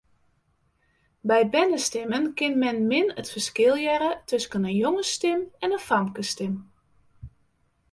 By bernestimmen kin men min it ferskil hearre tusken in jongesstim en in famkesstim.